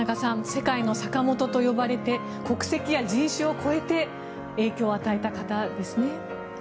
世界のサカモトと呼ばれて国籍や人種を超えて影響を与えた方ですね。